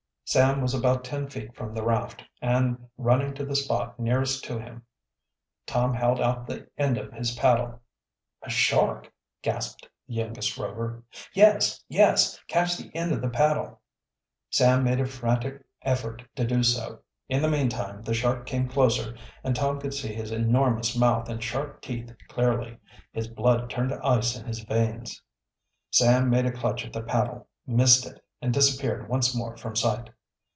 Sam was about ten feet from the raft, and running to the spot nearest to him, Tom held out the end of his paddle. "A shark?" gasped the youngest Rover. "Yes! yes! Catch the end of the paddle!" Sam made a frantic effort to do so. In the meantime the shark came closer and Tom could see his enormous mouth and sharp teeth clearly. His blood turned to ice in his veins. Sam made a clutch at the paddle, missed it, and disappeared once more from sight.